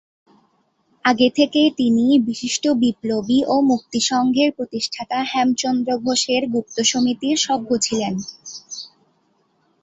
আগে থেকেই তিনি বিশিষ্ট বিপ্লবী ও মুক্তি সংঘের প্রতিষ্ঠাতা হেমচন্দ্র ঘোষের গুপ্ত সমিতির সভ্য ছিলেন।